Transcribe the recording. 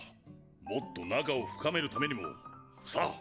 もっと仲を深めるためにもさぁ！